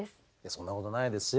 そんなことないですよ。